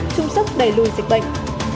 trung sức đẩy lùi dịch bệnh